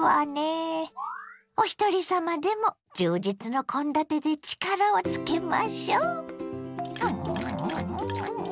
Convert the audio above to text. おひとり様でも充実の献立で力をつけましょ。